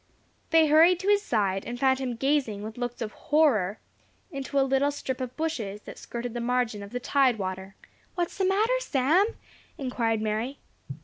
They hurried to his side, and found him gazing, with looks of horror, into a little strip of bushes that skirted the margin of the tide water. "What is the matter, Sam?" inquired Mary.